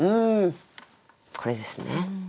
これですね。